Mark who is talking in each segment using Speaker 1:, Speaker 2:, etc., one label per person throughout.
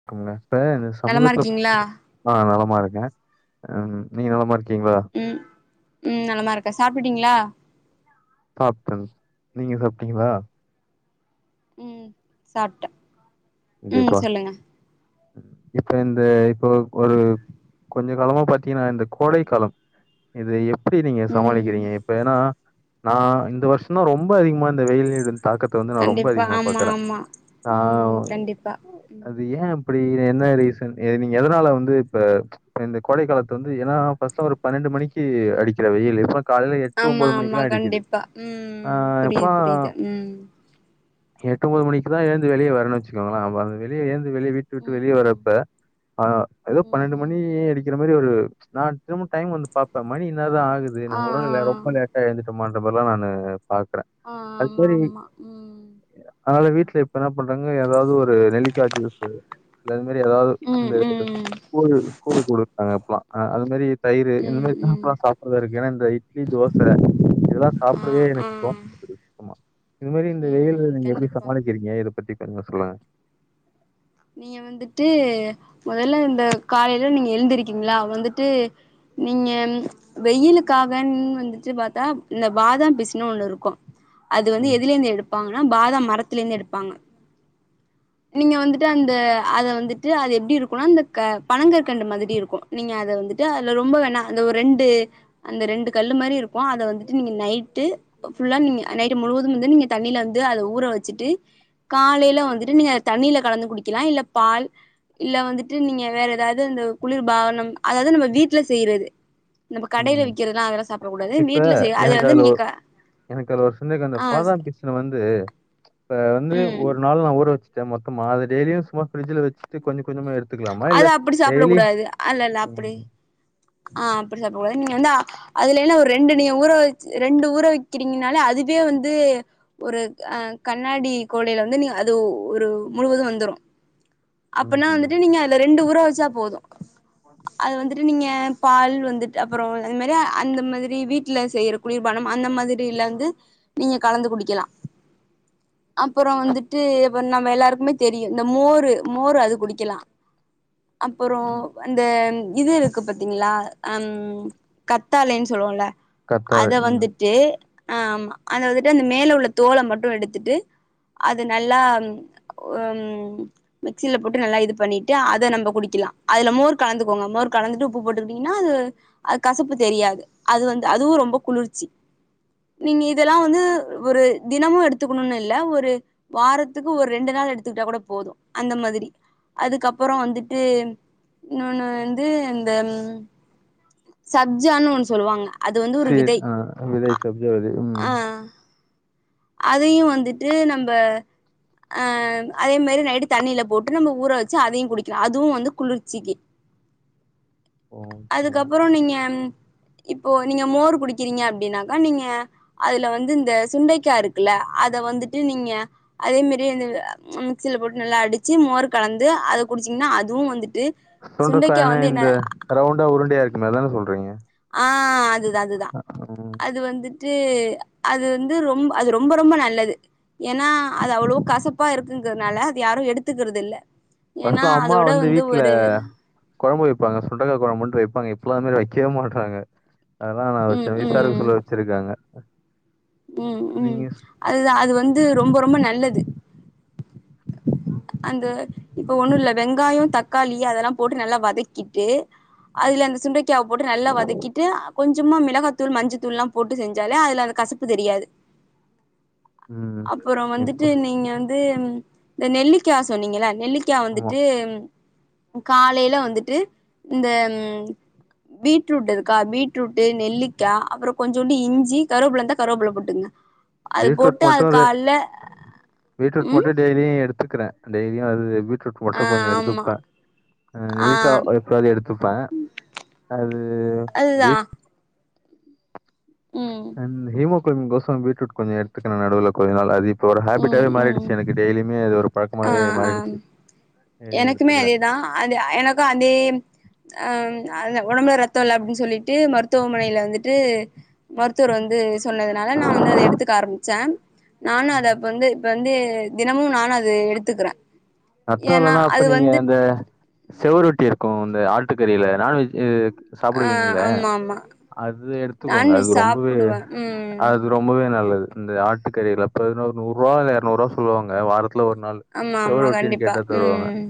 Speaker 1: இருக்குங்க இப்ப இந்த
Speaker 2: நலமா
Speaker 1: சமூகத்துல
Speaker 2: இருக்கீங்களா
Speaker 1: ஆ நலமா இருக்கன் ம் நீங்க நலமா இருக்கீங்ளா
Speaker 2: ம் ம் நலமா இருக்கன் சாப்புட்டீங்ளா
Speaker 1: சாப்டன் நீங்க சாப்ட்டீங்களா
Speaker 2: ம் சாப்டன்
Speaker 1: கண்டிப்பா இப்ப இந்த இப்போ ஒரு கொஞ்ச காலமா பாத்தீங்கன்னா இந்த கோடைக்காலம் இது எப்படி நீங்க
Speaker 2: ம்
Speaker 1: சமாளிக்கிறீங்க இப்ப ஏன்னா நான் இந்த வருஷம் தான் ரொம்ப அதிகமா இந்த வெயில்யிடும் தாக்கத்த வந்து நான் ரொம்ப
Speaker 2: கண்டிப்பா
Speaker 1: அதிகமா
Speaker 2: ஆமா
Speaker 1: பாக்குறன்
Speaker 2: ஆமா
Speaker 1: ஆ
Speaker 2: ம் கண்டிப்பா ம்
Speaker 1: அது ஏன் இப்படி என்ன ரீசன் ஏ நீங்க எதனால வந்து இப்ப இப்ப இந்த கோடை காலத்துல வந்து ஏன்னா பர்ஸ்ட்ல ஒரு பன்னெண்டு மணிக்கு அடிக்கிற வெயில் இப்ப காலையில எட்டு
Speaker 2: ஆமா
Speaker 1: ஒன்பது மணிக்கு
Speaker 2: ஆமா
Speaker 1: எல்லாம் அடிக்குது
Speaker 2: கண்டிப்பா
Speaker 1: ஆ
Speaker 2: ம்
Speaker 1: எப்ப
Speaker 2: புரியுது புரியுது ம்
Speaker 1: எட்டு ஒம்பது மணிக்கு தான் எழுந்து வெளியே வரணு வச்சுக்கோங்களேன் வந்து வெளியே ஏந்து வெளியே வீட்டு விட்டு
Speaker 2: ம்
Speaker 1: வெளியே
Speaker 2: ம்
Speaker 1: வரப்ப ஆ எதோ
Speaker 2: ம்
Speaker 1: பன்னெண்டு மணி
Speaker 2: ம்
Speaker 1: அடிக்கிற மாரி ஒரு நான் திரும்ப டைம் வந்து பாப்பன் மணி என்ன தான் ஆகுது
Speaker 2: ஆ
Speaker 1: நம்ம
Speaker 2: ஆ
Speaker 1: ஒருவேள ரொம்ப லேட்டா எழுந்துட்டமான்ற மார்லாம் நானு பாக்குறன்
Speaker 2: ஆ ஆ
Speaker 1: அது
Speaker 2: ஆமா
Speaker 1: மாரி
Speaker 2: ஆமா ம்
Speaker 1: அதனால வீட்டுல இப்ப என்ன பண்றாங்க ஏதாவது ஒரு நெல்லிக்கா ஜூஸ்சு இல்ல அந்த மாதிரி ஏதாவது
Speaker 2: ம்
Speaker 1: இந்த
Speaker 2: ம்
Speaker 1: கூ கூழ் கொடுப்பாங்க அப்பல்லாம் ஆ அது மாரி தயிரு இந்த
Speaker 2: ம் ம்
Speaker 1: மாதிரில்லாம் சாப்பிடதான் இருக்கு ஏன்னா இந்த இட்லி தோச இதெல்லாம்
Speaker 2: ஆ
Speaker 1: சாப்பிடவே
Speaker 2: ஆ
Speaker 1: எனக்கு தோணமாட்டுகூது ஆமா இது மாதிரி இந்த
Speaker 2: ம்
Speaker 1: வெயில நீங்க எப்டி
Speaker 2: கண்டிப்பா
Speaker 1: சமாளிக்கிறீங்க இத பத்தி கொஞ்சம் சொல்லுங்க
Speaker 2: நீங்க வந்துட்டு மொதல்ல இந்த காலையில நீங்க எழுந்திருக்கீங்களா வந்துட்டு நீங்க வெயிலுக்கான் வந்துட்டு பாத்தா இந்த பாதாம் பிசுன் ஒன் இருக்கோம் அது வந்து
Speaker 1: ம்,
Speaker 2: எதுல இருந்து எடுப் ப்பாங்கன்னா பாதாம் மரத்துல இருந்து எடுப்பாங்க நீங்க வந்து ட்டு அந்த அத வந்துட்டு அது எப்டி இருக்கோனா அந்த பணங்கற்கண்டு மாதிரி இருக்கும் நீங்க அத வந்துட்டு ட்டு அதுல ரொம்ப வேணா அந்த ஒரு ரெண்டு அந்த ரெண்டு கல் மாரி இருக்கும் அத வந்துட்டு நீங்க நைட்டு ஃபுல்லா நீங்க நைட்டு முழுவதும் வந்து நீங்க தண்ணியில வந்து அத ஊற வெச்சுட்டு காலைல வந்துட்டு நீங்க தண்ணில கலந்து குடிக்கலாம் இல்ல பால் இல்ல வந்துட்டு நீங்க வேற ஏதாவது அந்த குளிர் பாவனம் அதாவது நம்ப வீட்ல செய்றது நம்ப
Speaker 1: ம்.
Speaker 2: கடையில விக்கிறது அது எல்லாம் சாப்பிடக்க கூடாது
Speaker 1: இப்ப
Speaker 2: வீட்ல செய்ய அத
Speaker 1: எனக்கு
Speaker 2: வந்து
Speaker 1: அதுல ஒ
Speaker 2: நீங்க க
Speaker 1: எனக்கு அதுல ஒரு சந்தேகம் அந்த
Speaker 2: ஆ
Speaker 1: பாதாம் பிச்சன வந்து இ வந்து
Speaker 2: ம்
Speaker 1: ஒரு நாள் நான் ஊற வச்சு மொத்தமா அத டெய்லியும் சும்மா ப்ரிஜிலா வெச்சிட்டு கொஞ்ச கொஞ்சமா எடுத்த
Speaker 2: அது அப்படி சாப்புட கூடாது அல்ல இல்ல அப்டி
Speaker 1: ம்
Speaker 2: ஆ அப்டி சாப்டக் கூடாது நீங்க வந்து அதுல எல்லாம் ஒரு ரெண்டு நீ ஊற வச்சு ரெண்டு ஊற வக்கிறீங்கனாலே அதுவே வந்து ஒரு அ கண்ணாடி கோலையில வந்து நீங்க அது ஒரு முழுவதும் வந்துரும் அப்பனா
Speaker 1: ம்
Speaker 2: வந்துட்டு நீங்க அதுல ரெண்டு ஊற வெச்சா போதும் அது வந்துட்டு நீங்க பால் வந்துட்டு அப்றோம் அத மாரியெ அந்த மாதிரி வீட்டுல செய்ற குளிர்பானம் அந்த மாதிரி டிலருந்து நீங்க கலந்து குடிக்கலா அப்புறோ வந்துட்டு அப் நம்ம எல்லாருக்குமே தெரியு இந்த மோரு மோரு அது குடிக்கலா அப்பறோ அந்த இதுருக் கு பாத்தீங்களா அந் கத்தாலேன்னு சொல்லுவோம்ல
Speaker 1: கத்தாழை
Speaker 2: அத
Speaker 1: ம்
Speaker 2: வந்துட் ட்டு ஆ ஆமா அத வந்துட்டு அந்த மேல உள்ள தோல மட்டு எடுத்துட்டு அது நல்லா ஒ ம் மிக்சியில போட்டு நல்லா இது பண்ணிட்டு அத நம்ம குடிக்கலா அதுல மோர் கலந்துக்கோங்க மோர் கலந்துட்டு உப்பு போட்டுக்கிட்டீங்ன்னா அது அது கசப்பு தெரியாது அது வந்து அதுவு ரொம்ப குளிர்ச்சி நீங்க இதெல்லா வந்து ஒரு தினமும் எடுத்துக்கணுன்னு இல்ல ஒரு வாரத்துக்கு ஒரு ரெண்டு நாள் எடுத்துக்கிட்டா கூட போது அந்த மாதிரி அதுக்கப்புறோ வந்துட்டு இன்னொன்னு வந்து இந்த ம் சப்ஜான்னு ஒன்னு சொல்லுவாங்க அது வந்து ஒரு
Speaker 1: சீட்
Speaker 2: விதை
Speaker 1: ஆ விதை சப்ஜா விதை ம்
Speaker 2: ஆ அதையு வந்துட்டு நம்ப அ அதே மேரி நைட்டு தண்ணியில போட்டு நம்ப ஊற வெச்சு அதையு குடிக்கலா அதுவு வந்து குளிர்ச்சிக்கி
Speaker 1: ஓகே
Speaker 2: அதுக்கப்புறோ நீங்க இப்போ நீங்க மோர் குடிக்கிறீங்க அப்படின்னாக்கா நீங்க அதுல வந்து இந்த சுண்டைக் க்காய் இருக்குல்ல அத வந்துட்டு நீங்க அதே மேரி அந்த மிக்சியில போட்டு நல்லா அடிச்சு மோர் கலந்து அத குடிச்சீங்ன்னா அதுவு வந்துட்டு சுண்டைக்கா
Speaker 1: சுண்டக்காய்னா
Speaker 2: வந்து என்ன
Speaker 1: இந்த ரவுண்டா உருண்டையா இருக்கும அதான சொல்றீங்க
Speaker 2: ஆ அதுதா அதுதா
Speaker 1: ம்
Speaker 2: அது வந்துட் டு அது வந்து ரொம்ப அது ரொம்ப ரொம்ப நல்லது ஏன்னா அது அவ்ளோ கசப்பா இருக்குங்கதுனால அது யாரு எடுத்துக்குறது இல்ல ஏன்னா
Speaker 1: ஃபஸ்ட்லா அம்மா
Speaker 2: அதோட
Speaker 1: வந்து வீட்ல
Speaker 2: ஒரு
Speaker 1: கொழம்பு வைப்பாங்க சுண்டைக்கா கொழம்புன்ட்டு வெப்பங்க இப்பலா அந்த மாரி வைக்கவே மாட்றாங்க அதெல்லா நா
Speaker 2: ம்
Speaker 1: சின்ன வயசா இருக்கச்
Speaker 2: ம்
Speaker 1: சொல்ல வச்சிருக்காங்க
Speaker 2: ம் ம்
Speaker 1: நீங்க ஸ்-
Speaker 2: அதுதா அது வந்து ரொம்ப ரொம்ப நல்லது அந்த இப்ப ஒண்ணுல்ல வெங்காயோ தக்காளி அதெல்லா போட்டு நல்லா வதக்கிட்டு அதுல அந்த சுண்டக்காவ போட்டு நல்லா வதக்கிட்டு அப் கொஞ்சமா மெளகத்தூள் மஞ்சு தூள்லா போட்டு செஞ்சாலே அதுல அந்த கசப்பு தெரியாது
Speaker 1: ம்
Speaker 2: அப்புறோ வந்துட்டு
Speaker 1: இப்ப
Speaker 2: நீங்க வந்து இந்த நெல்லிக்காய் சொன்னீங்களா நெல்லிக் க்கியா
Speaker 1: ஆமா
Speaker 2: வந்துட்டு காலையில வந்துட்டு இந்த பீட்ரூட் இருக்கா பீட்ரூட் நெல்லிக்கா அப்புறோ கொஞ்சோண்டு இஞ்சி கருவப்புள்ளருந்தா கருவப்புள்ள போட்டுங்க அது
Speaker 1: பீட்ரூட்
Speaker 2: போட்டு அது
Speaker 1: மட்டு ரெ
Speaker 2: கால்ல
Speaker 1: பீட்ரூட்
Speaker 2: ம்
Speaker 1: மட்டு டெய் அதையு எடுத்துக்குறே டெயிலியு அது பீட்ரூட்
Speaker 2: ஆ
Speaker 1: ஒட்டர் கொஞ்சோ
Speaker 2: ஆமா
Speaker 1: எடுத்துப்பே அ நெல்லிக்காய்
Speaker 2: ஆ
Speaker 1: அது பாதி எடுத்துப்பே அது
Speaker 2: அதுதா
Speaker 1: பீட்
Speaker 2: ம்
Speaker 1: ஹீமோ குளோமின் கோச பீட்ரூட் கொஞ்சோ எடுத்துக்கிறே நடுவுல கொஞ்சனால அதையு இப்போ ஒரு
Speaker 2: ம்
Speaker 1: ஹேபிட்டாவே
Speaker 2: ம்
Speaker 1: மாறிடுச்சி எனக்கு டெய்லியுமே அது ஒரு
Speaker 2: ஆ
Speaker 1: பழக்கமாவே
Speaker 2: ஆ
Speaker 1: மாறிடுச்சி
Speaker 2: எனக்குமே அதேதா அது எனக்கு அதே அ அந்த ஒடம்புல ரத்த இல்ல அப்புடின்னு சொல்லிட்டு மருத்துவமனையில வந்துட்டு மருத்துவர் வந்து சொன்னதுனால நா வந்து அத எடுத்துக்க ஆரம்பிச்சே நானு அத அப்ப வந்து இப்ப வந்து தினமு நானு அது எடுத்துக்குறே
Speaker 1: ரத்தோ இல்லனா அப்ப நீங்க அந்த செவரொட்டி இருக்கு இந்த ஆட்டுக்கறில நான்வெஜ்ஜு
Speaker 2: ஆ
Speaker 1: சாப்புடுவீங்கல
Speaker 2: ஆமா ஆமா
Speaker 1: அது எடுத்துக்கோங்க அது
Speaker 2: நான்வெஜ்
Speaker 1: ரொம்பவே
Speaker 2: சாப்புடுவே ம்
Speaker 1: அது ரொம்பவே நல்லது இந்த ஆட்டுக்கறி ரத்த என்ன நூறுபா இல்ல எரநூறுபா சொல்லுவாங்க வாரத் வாரத்துல ஒரு நாள்
Speaker 2: ஆமா ஆமா
Speaker 1: செவரொட்டின்
Speaker 2: கண்டிப்பா
Speaker 1: கேட்டா தருவாங்க
Speaker 2: ம்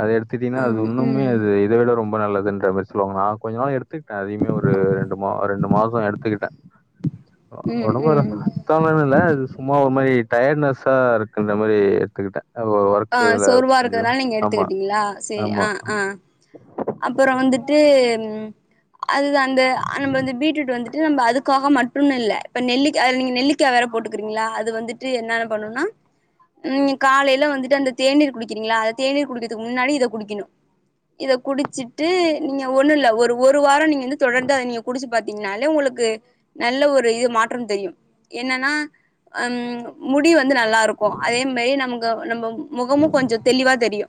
Speaker 1: அத எடுத்திட்டீங்னா
Speaker 2: ஆ
Speaker 1: அது உன்னுமே
Speaker 2: ம்
Speaker 1: அது இத விட ரொம்ப நல்லதுன்ற மாரி சொல்லுவாங்க நா கொஞ்ச நாள் எடுத்து அதையுமே ஒரு ரெண்டு மா ரெண்டு மாச எடுத்துக்கிட்டே
Speaker 2: ம்
Speaker 1: ஒடம்புற
Speaker 2: ம்
Speaker 1: ரத்தமில்லனு இல்ல இது சும்மா ஒரு மாரி டயர்ட்னஸ்ஸா இருக்குன்ற மாரி எடுத்துக்கிட்டே அ ஒ ஒர்க்
Speaker 2: ஆ
Speaker 1: இதுல
Speaker 2: சோர்வா
Speaker 1: கொஞ்சம்
Speaker 2: இருக்குறதுனால நீங்க
Speaker 1: ஆமா,
Speaker 2: எடுத்துக்கிட்டீங்களா சேரி
Speaker 1: ஆமா,
Speaker 2: ஆ ஆ அப்பற வந்துட்டு ம் அதுதா அந்த அ நம்ம வந்து பீட்ரூட் வந்துட் நம்ப அதுக்காக மட்டுன் இல்ல இப்ப நெல்லிக்கா அதுல நீங்க நெல்லிக்கா வேற போட்டுக்குறீங்களா அது வந்துட்டு என்னென்ன பண்ணுனா நீங்க காலைல வந்துட்டு அந்த தேநீர் குடிக்கிறீங்களா அத தேநீர் குடிக்கிறதுக்கு முன்னாடி இத குடிக்கணு இத குடிச்சிட்டு நீங்க ஒன்னுல்ல ஒரு ஒரு வார நீங்க வந்து தொடர்ந்து அத நீங்க குடிச்சி பாத்தீங்கனாலே உங்களுக்கு நல்ல ஒரு இது மாற்றம் தெரியு என்னென்னா அம் முடி வந்து நல்லாருக்கு அதே மாரி நமக்கு நம்ம முகமு கொஞ்ச தெளிவா தெரியு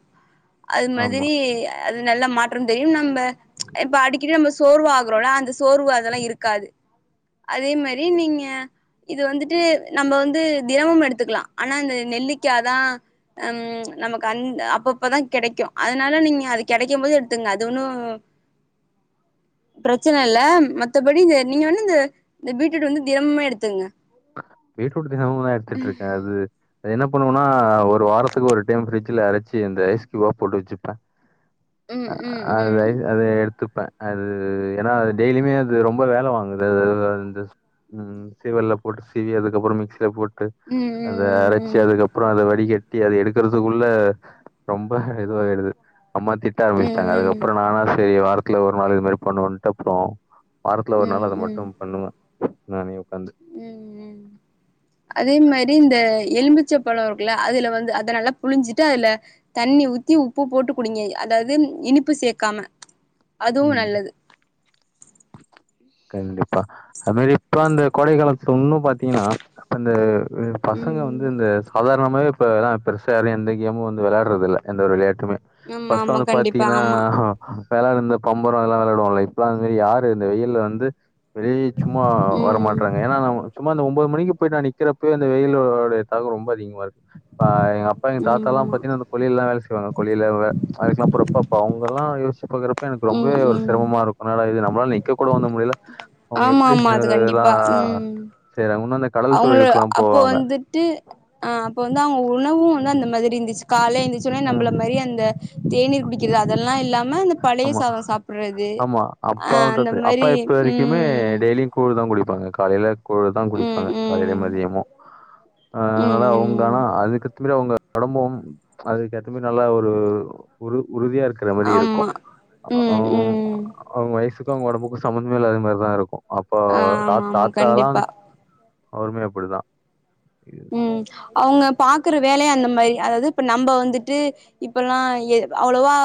Speaker 2: அது
Speaker 1: ஆமா.
Speaker 2: மாதிரி அது நல்லா மாற்றம் தெரியு நம்ப இப்ப அடிக்கடி நம்ப சோர்வு ஆகுறோல அந்த சோர்வு அதெல்லா இருக்காது அதே மாரி நீங்க இது வந்துட்டு நம்ப வந்து தினமும் எடுத்துக்கலா ஆனா இந்த நெல்லிக்காதா ம் நமக்கு அந் அப்பப்பதா கெடைக்கு அதனால நீங்க அது கெடைக்கும் போது எடுத்துங்க அது ஒன்னு பிரச்சன இல்ல மத்தபடி இந்த நீங்க வந்து இந்த இந்த பீட்ரூட் வந்து தினமுமே எடுத்துக்குங்க
Speaker 1: பீட்ரூட் தெனமுதா எடுத்துட்ருக்க அது அத என்ன பண்ணுவேனா ஒரு வாரத்துக்கு ஒரு டைம் ஃப்ரிட்ஜில அரச்சி இந்த ஐஸ் கியூபா போட்டு வெச்சுப்பே
Speaker 2: ம் ம்
Speaker 1: அதை
Speaker 2: ம்
Speaker 1: அத எது த்துப்பே அது ஏனா அது டெய்லியுமே அது ரொம்ப வேல வாங்குது அது இந்த ம் சிவல்ல போட்டு சீவி அதுக்கப்பற மிக்சீல போட்டு
Speaker 2: ம் ம்
Speaker 1: அத அரைச்சி
Speaker 2: ம்
Speaker 1: அதுக்கப்பற அத வடிகட்டி அத எடுக்குறதுக்குள்ள ரொம்ப இதுவாய்டுது அம்மா திட் திட்ட
Speaker 2: ம்
Speaker 1: ஆரம்மிச்சுட்டாங்க
Speaker 2: ம்
Speaker 1: அதுக்கப்பற நானா சேரி வாரத்துல ஒரு நாள் இது மாரி பண்ணுவோன்ட்டு அப்றோ வாரத்துல ஒரு
Speaker 2: ம்
Speaker 1: நாள்
Speaker 2: ம்
Speaker 1: அத
Speaker 2: ம்
Speaker 1: மட்டு பண்ணுவே நானே ஒக்காந்து
Speaker 2: ம் ம் அதே மாரி இந்த எலுமிச்ச பழ இருக்குல்ல அதுல வந்து அத நல்லா புழிஞ்சிட்டு அதுல தண்ணி ஊத்தி உப்பு போட்டு குடிங்க அதாவ்து இனிப்பு சேக்காம அதுவு
Speaker 1: ம்
Speaker 2: நல்லது
Speaker 1: கண்டிப்பா அது மாரி இப்ப அந்த கொடை காலத்துல உன்னு பாத்தீங்கனா அப்பந்த வ பசங்க வந்
Speaker 2: ம்
Speaker 1: அது இந்த சாதாரணமாவே இப்ப அதுலா பெருசா யாரு எந்த கேமு வந்து வெளாட்றதில்ல எந்த ஒரு விளையாட்டுமே
Speaker 2: ஆமா
Speaker 1: ஃபஸ்ட்லா
Speaker 2: ஆமா
Speaker 1: வந்து
Speaker 2: கண்டிப்பா
Speaker 1: பாத்தீங்கனா
Speaker 2: ஆமா
Speaker 1: அ அப்பலா இந்த பம்பர அதுலா வெளாடுவாங்கல இப்பலா வந்து யாரு இந்த வெயில்ல வந்து வெளி சும்மா
Speaker 2: ம்
Speaker 1: வரமாட்டறாங் வேன்னா நாம சும்மா அந்த ஒம்பது மணிக்கு போய் நா நிக்கறப்பவே அந்த வெயிலோடைய தாக்கோ ரொம்ப அதிகமா இரு ப்ப எங்க அப்பா எங்க தாத்தாலா
Speaker 2: ஆமா ஆமா
Speaker 1: பாத்தீங்னா அந்த கொல்லைலலா வேல செய்வாங்க கொல்லைல வ அதுக்குலா பொறுப்பா போவோ அவுங் இப்பல்லா யோசிச்சி பாக்குறப்ப எனக்கு
Speaker 2: ம்
Speaker 1: ரொம்பவே ஒரு
Speaker 2: ம்
Speaker 1: சிரமமா இருக்கு என்னடா இது நம்மளா நிக்க கூட வந்து முடிய்ல அவுங்க
Speaker 2: ஆமா
Speaker 1: எப்டி
Speaker 2: ஆமா அது
Speaker 1: இந்தேல்லா
Speaker 2: கண்டிப்பா ம்
Speaker 1: செய்றாங்க இன்னுந்த
Speaker 2: அவங்கள அப்போ வந்து விட்டு அ அப்ப வந்து அவங்க உணவு வந்து அந்த மாரி இருந்துச்சு கால எந்திச்சவொன்னே
Speaker 1: அ
Speaker 2: நம்மள மாரி அந்த தேநீர் குடிக்கிறது அதெல்லா இல்லாம அந்த பழைய
Speaker 1: ஆமா,
Speaker 2: சாதம் சாப்பிடுறது
Speaker 1: ஆமா.
Speaker 2: அ
Speaker 1: அப்பாவும்
Speaker 2: அந்த
Speaker 1: தாத்து அப்பா
Speaker 2: மாரி
Speaker 1: இப்ப வரைக்குமே
Speaker 2: ம்
Speaker 1: டெய்லியும் கூழ் தா குடிப்பாங்க காலைல கூழ் தா
Speaker 2: ம்
Speaker 1: குடிப்பாங்க காலைல
Speaker 2: ம்
Speaker 1: மதியமு ஆ அனால
Speaker 2: ம்
Speaker 1: அவுங்க
Speaker 2: ம்
Speaker 1: ஆனா அதுக்கு குல்ல அவுங்க ஒடம்பும் அதுக்கு ஏற்ற மாரி நல்லா ஒரு உறு உறுதியா இருக்குற மாரி இருக்கு
Speaker 2: ஆமா ம் ம்
Speaker 1: அவுங் வயசுக்கு அவங்க ஒடம்புக்கு சம்மந்தமே இல்லாத மாரிதா இருக்கு அப்போ தா
Speaker 2: ஆமா ஆமா
Speaker 1: தாத்தால்லா
Speaker 2: கண்டிப்பா
Speaker 1: அவ்ருமே அப்டிதா
Speaker 2: ம் அவுங்க பாக்குற வேலயு அந்த மாரி அதாது இப்ப நம்ப வந்துட்டு இப்பல்லா எ அவ்ளோவா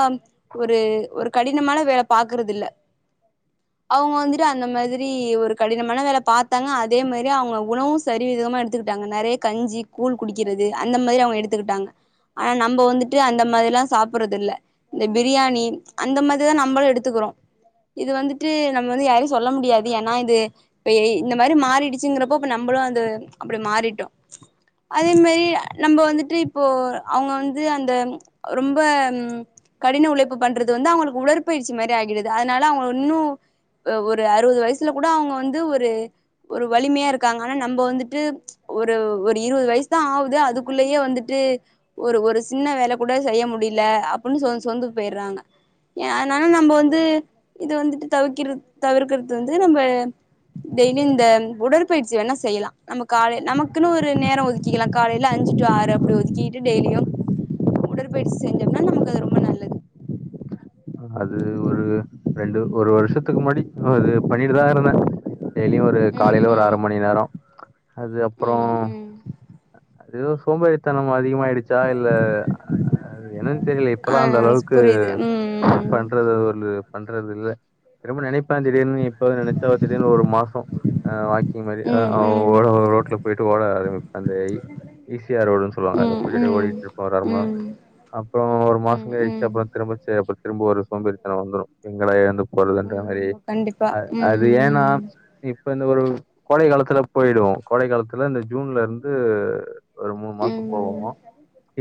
Speaker 2: ஒரு ஒரு கடினமான வேல பாக்குறதில்ல அவுங்க வந்துட்டு அந்த மாதிரி ஒரு கடினமான வேல பாத்தாங்க அதே மாரி அவுங்க உணவு சரிவிகிதமா எடுத்துக்கிட்டாங்க நெறைய கஞ்சி கூழ் குடிக்கிறது அந்த மாரி அவ்ங்க எடுத்துக்குட்டாங்க ஆனா நம்ப வந்துட்டு அந்த மாரி எல்லா சாப்பறது இல்ல இந்த பிரியாணி அந்த மாரிதா நம்மளு எடுத்துக்குறோ இது வந்துட்டு நம்ம வந்து யாரையு சொல்ல முடியாது ஏனா இது இப்ப எய் இந்த மாரி மாறிடுச்சிங்கிறப்போ இப்ப நம்பளு அந்த அப்டி மாறிட்டோ அதே மாரி நம்ப வந்துட்டு இப்போ அவுங்க வந்து அந்த ரொம்ப ம் கடின உழைப்பு பண்றது வந்து அவுங்களுக்கு உடற்பயிற்சி மாரி ஆகிடுது அதனால அவுங்கள இன்னு ஒரு அறுவது வய்சுல கூட அவுங்க வந்து ஒரு ஒரு வலிமையா இருக்காங்க ஆனா நம்ப வந்துட்டு ஒரு ஒரு இருவது வய்சு தா ஆவுது அதுக்குள்ளயே வந்துட்டு ஒரு ஒரு சின்ன வேல கூட செய்ய முடில அப்புன்னு சோந்து சோந்து போயிறாங்க ஏ அதனால நம்ப வந்து இது வந்துட்டு தவிர்கிற தவிர்க்கறது வந்து நம்ப டெய்லியு இந்த உடற்பயிற்சி வேணா செய்யலா நம்ம காலை நமக்குன்னு ஒரு நேர ஒதுக்கிக்கலா காலைல அஞ்சு டூ ஆறு அப்டி ஒதுக்கிக்கிட்டு டெய்லியு உடற்பயிற்சி செஞ்சோம்னா நமக்கு அது ரொம்ப நல்லது
Speaker 1: அது ஒரு ரெண்டு ஒரு வருஷத்துக்கு முன்னடி அது பண்ணிட்டுதா இருந்தே டெய்லியு ஒரு
Speaker 2: ம்
Speaker 1: காலைல ஒரு அர மணி நேரோ அது
Speaker 2: ம்
Speaker 1: அப்றோ
Speaker 2: ம் ம்
Speaker 1: எதோ சோம்பேரித்தனம் அதிகமாயிருச்சா இல்ல அது என்னன் தெர்லயே
Speaker 2: ஆ
Speaker 1: இப்பல்லா அந்த அளவுக்கு
Speaker 2: புரியுது
Speaker 1: ஃபன்
Speaker 2: ம்
Speaker 1: பண்றது [unintelligible] பண்றதில்ல திரும்ப நெனைப்பே திடீர்னு இப்ப நெனச்சாவ தீடீர்னு ஒரு மாசொ அ வாக்கிங் மாரி அதா
Speaker 2: ம்
Speaker 1: ஓ
Speaker 2: ம்
Speaker 1: ரோட்ல போயிட்டு ஓட ஆரம்பிப்பே அந்த இ ஈ சி ஆர் ரோடுன்
Speaker 2: ம்
Speaker 1: சொல்வாங்க அத போய் டெய்லி
Speaker 2: ம்
Speaker 1: ஓடிட்டு இருப்ப ஒரு ஓரமா
Speaker 2: ம்
Speaker 1: அப்றோ ஒரு
Speaker 2: ம்
Speaker 1: மாசோங் கயிச்சு
Speaker 2: ம்
Speaker 1: அப்றோ ஒரு மாசோ கழிச்சு அப்றோ திரும்ப ச அப்றோ திரும்ப ஒரு சோம்பேறித்தனோ வந்துரு எங்க டா எழுந்து போறதுன்ற
Speaker 2: ஆமா
Speaker 1: மாரி
Speaker 2: ஆமா கண்டிப்பா
Speaker 1: அ
Speaker 2: ம்
Speaker 1: அது
Speaker 2: ம்
Speaker 1: ஏனா இப்ப இந்த ஒரு கோடை காலத்துல போய்டுவோ கோடை காலத்துல இந்த ஜூன்ல இருந்து ஒரு மூணு மாசோ
Speaker 2: ம்
Speaker 1: போவோ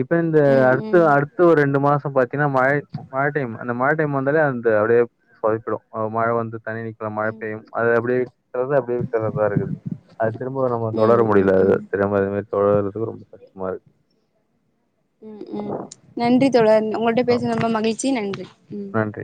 Speaker 1: இப்ப இந்த அடுத்து
Speaker 2: ம்
Speaker 1: அடுத்து ஒரு ரெண்டு மாசம் பாத்தீங்கன்னா மழை மழை டைம் அந்த மழ டைம் வந்தாலே அந்த அப்டியே சொதப்பிடடு மழை வந்து தண்ணி அதா மழ
Speaker 2: ம்
Speaker 1: பெய்யு
Speaker 2: ம்
Speaker 1: அது அப்டியே விட்டுர்றது அப்டியே விட்டர்றதா இருக்குது அத திரும்ப நம்ப
Speaker 2: ம்
Speaker 1: தொடர
Speaker 2: ம்
Speaker 1: முடில அது
Speaker 2: ம்
Speaker 1: ரெம்ப இது மாரி தொடர்றது ரொம்ப கஷ்டமா இருக்
Speaker 2: ம் ம் நன்றி தோழர் உங்கள்ட்ட பேசுனது ரொம்ப மகிழ்ச்சி நன்றி ம்
Speaker 1: நன்றி